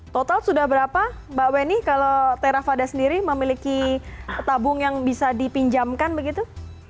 total sudah berapa mbak weni kalau terafada sendiri memiliki tabung yang bisa dipinjamkan begitu